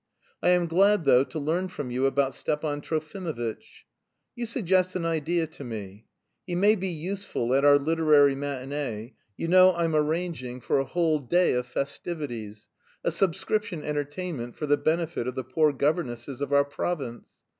I am glad though to learn from you about Stepan Trofimovitch. You suggest an idea to me: he may be useful at our literary matinée, you know I'm arranging for a whole day of festivities, a subscription entertainment for the benefit of the poor governesses of our province.